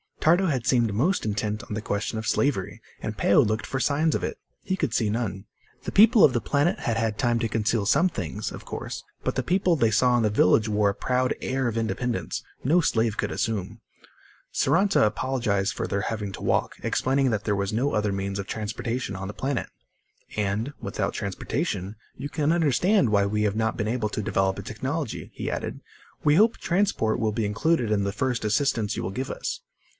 Tardo had seemed most intent on the question of slavery, and Peo looked for signs of it. He could see none. The people of the planet had had time to conceal some things, of course. But the people they saw in the village wore a proud air of independence no slave could assume. Saranta apologized for their having to walk, explaining that there was no other means of transportation on the planet. "And, without transportation, you can understand why we have not been able to develop a technology," he added. "We hope transport will be included in the first assistance you will give us."